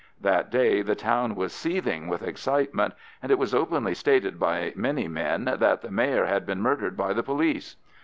That day the town was seething with excitement, and it was openly stated by many men that the Mayor had been murdered by the police.